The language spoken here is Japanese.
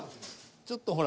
ちょっとほら。